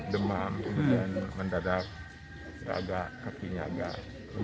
demam kemudian mendadak agak kakinya agak